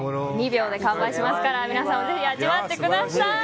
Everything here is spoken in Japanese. ２秒で完売しますから皆さんもぜひ味わってください。